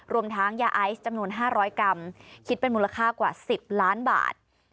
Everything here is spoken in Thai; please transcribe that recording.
รวมทั้งยาไอซ์จำนวน๕๐๐กรัมคิดเป็นมูลค่ากว่า๑๐ล้านบาท